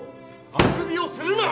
あくびをするな！